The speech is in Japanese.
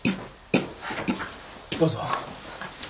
どうぞ。